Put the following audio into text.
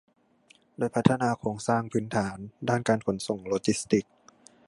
โดยพัฒนาโครงสร้างพื้นฐานด้านการขนส่งโลจิสติกส์